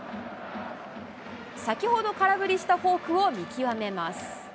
先ほど空振りしたフォークを見極めます。